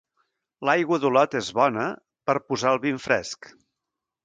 L'aigua d'Olot és bona... per posar el vi en fresc.